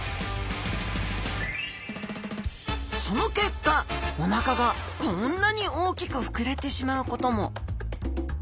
その結果お腹がこんなに大きく膨れてしまうことも。